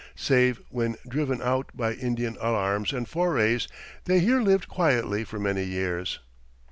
Save when driven out by Indian alarms and forays, they here lived quietly for many years.